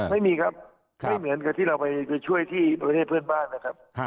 ไม่มีครับไม่เหมือนกับที่เราไปช่วยที่ประเทศเพื่อนบ้านนะครับ